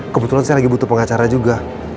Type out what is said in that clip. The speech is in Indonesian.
kebetulan saya lagi butuh pengacara juga